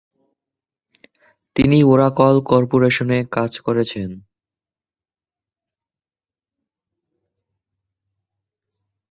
তিনি ওরাকল কর্পোরেশনে কাজ করেছেন।